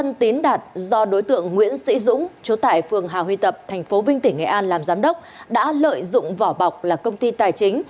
công ty tân tín đạt do đối tượng nguyễn sĩ dũng chủ tại phường hà huy tập thành phố vinh tỉnh nghệ an làm giám đốc đã lợi dụng vỏ bọc là công ty tài chính